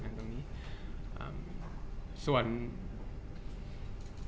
จากความไม่เข้าจันทร์ของผู้ใหญ่ของพ่อกับแม่